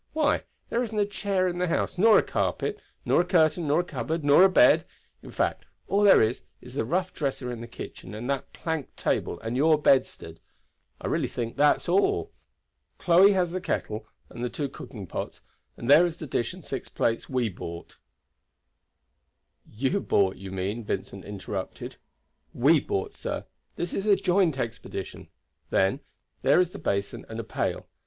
Why, there isn't a chair in the house, nor a carpet, nor a curtain, nor a cupboard, nor a bed; in fact all there is is the rough dresser in the kitchen and that plank table, and your bedstead. I really think that's all. Chloe has the kettle and two cooking pots, and there is the dish and six plates we bought." "You bought, you mean," Vincent interrupted. "We bought, sir; this is a joint expedition. Then, there is the basin and a pail.